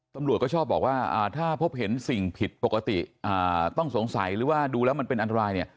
ตำรวจก็ชอบบอกว่าถ้าพบเห็นสิ่งผิดปกติต้องสงสัยหรือว่าดูแล้วมันเป็นอันตรายเนี่ย